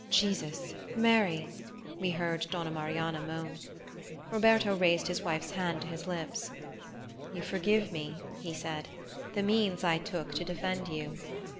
"Jesus! Mary!" We heard Donna Marianna moan. Roberto raised his wife's hand to his lips. "You forgive me," he said, "the means I took to defend you?"